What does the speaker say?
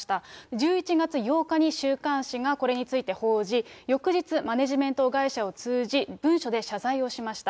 １１月８日に週刊誌が、これについて報じ、翌日、マネジメント会社を通じ、文書で謝罪をしました。